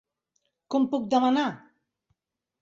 Com puc demanar!?